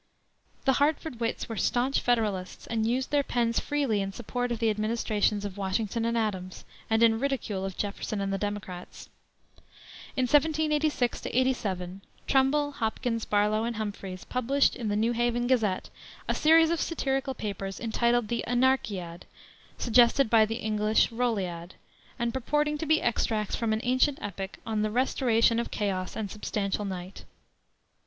The Hartford Wits were staunch Federalists, and used their pens freely in support of the administrations of Washington and Adams, and in ridicule of Jefferson and the Democrats. In 1786 87 Trumbull, Hopkins, Barlow, and Humphreys published in the New Haven Gazette a series of satirical papers entitled the Anarchiad, suggested by the English Rolliad, and purporting to be extracts from an ancient epic on "the Restoration of Chaos and Substantial Night."